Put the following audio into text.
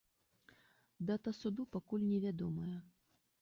Дата суду пакуль невядомая.